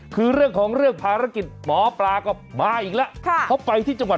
คือเรื่องของเรื่องภารกิษฐ์หมอปลาก็มาอีกแล้วท่ะ